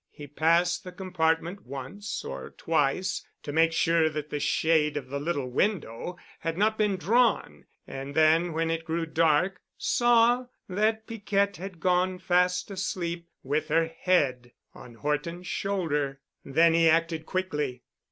He passed the compartment once or twice to make sure that the shade of the little window had not been drawn and then when it grew dark saw that Piquette had gone fast asleep with her head on Horton's shoulder. Then he acted quickly.